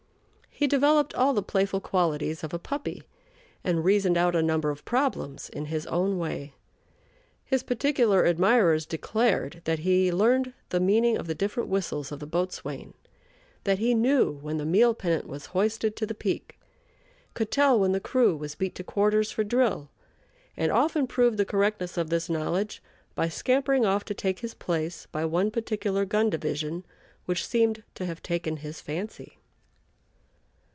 He developed all the playful qualities of a puppy and reasoned out a number of problems in his own way. His particular admirers declared that he learned the meaning of the different whistles of the boatswain: that he knew when the meal pennant was hoisted to the peak; could tell when the crew was beat to quarters for drill, and often proved the correctness of this knowledge by scampering off to take his place by one particular gun division, which seemed to have taken his fancy.